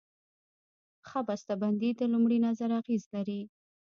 ښه بسته بندي د لومړي نظر اغېز لري.